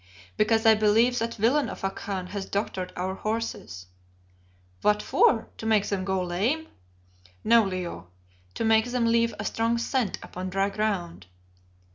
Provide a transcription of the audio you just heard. "Because I believe that villain of a Khan has doctored our horses." "What for? To make them go lame?" "No, Leo, to make them leave a strong scent upon dry ground."